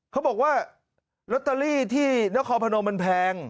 เขาบอกว่าลอตเตอรี่ที่นครพนมมันแพง